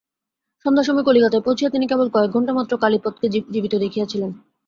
সন্ধ্যার সময় কলিকাতায় পৌঁছিয়া তিনি কেবল কয়েক ঘণ্টা মাত্র কালীপদকে জীবিত দেখিয়াছিলেন।